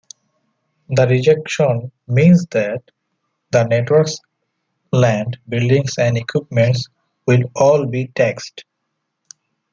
The rejection means that the network's land, buildings and equipment will all be taxed.